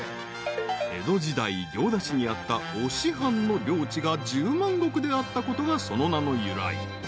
［江戸時代行田市にあった忍藩の領地が十万石であったことがその名の由来］